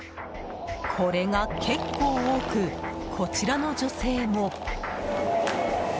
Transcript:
これが結構多く、こちらの女性も。